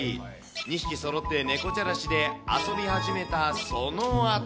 ２匹そろって猫じゃらしで遊び始めた、そのあと。